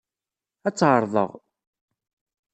Ad tt-ɛerḍeɣ.